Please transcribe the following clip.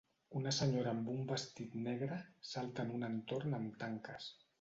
Una senyora amb un vestit negre salta en un entorn amb tanques.